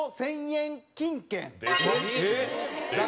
１０００円！？